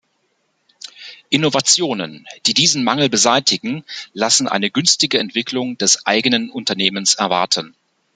Innovationen, die diesen Mangel beseitigen, lassen eine günstige Entwicklung des eigenen Unternehmens erwarten.